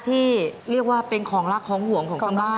ที่เรียกว่าเป็นของรักของห่วงของชาวบ้าน